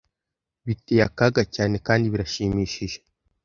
biteye akaga cyane kandi birashimishije